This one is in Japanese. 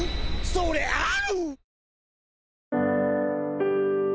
それある！？